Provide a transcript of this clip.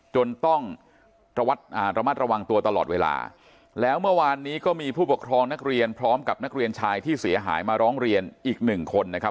จนต้องระมัดระวังตัวตลอดเวลาแล้วเมื่อวานนี้ก็มีผู้ปกครองนักเรียนพร้อมกับนักเรียนชายที่เสียหายมาร้องเรียนอีกหนึ่งคนนะครับ